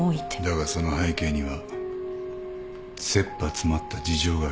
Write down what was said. だがその背景には切羽詰まった事情がある。